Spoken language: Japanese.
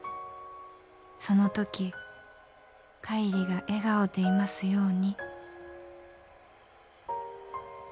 「その時」「浬が笑顔でいますように」